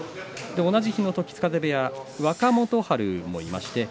同じ日の時津風部屋若元春もいました。